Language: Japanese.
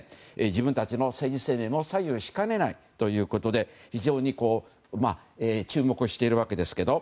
自分たちの政治生命も左右しかねないということで非常に注目しているわけですけど。